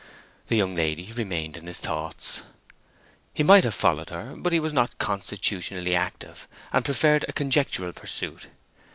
The young lady remained in his thoughts. He might have followed her; but he was not constitutionally active, and preferred a conjectural pursuit.